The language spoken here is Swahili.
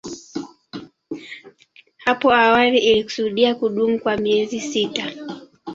Hapo awali ilikusudia kudumu kwa miezi sita.